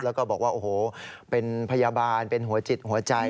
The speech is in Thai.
แล้วก็บอกว่าโอ้โหเป็นพยาบาลเป็นหัวจิตหัวใจ